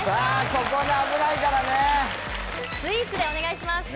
ここで危ないからねスイーツでお願いします